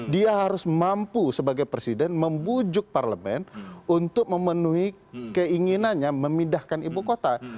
dia harus mampu sebagai presiden membujuk parlemen untuk memenuhi keinginannya memindahkan ibu kota